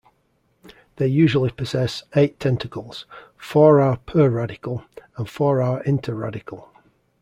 They usually possess eight tentacles; four are per-radical and four are inter-radical.